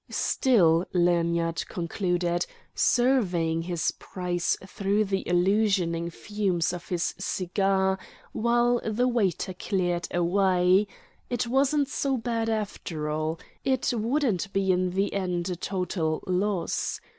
Still, Lanyard concluded, surveying his prize through the illusioning fumes of his cigar, while the waiter cleared away, it wasn't so bad after all, it wouldn't be in the end a total loss.